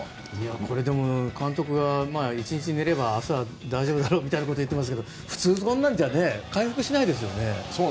でも、監督が１日寝れば明日は大丈夫だろうみたいに言っていますけど普通そんなんじゃ回復しないですよね。